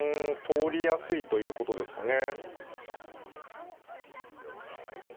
取りやすいということですかね。